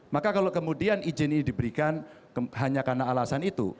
maka kalau kemudian izin ini diberikan hanya karena alasan itu